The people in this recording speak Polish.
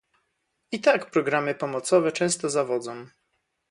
I tak programy pomocowe często zawodzą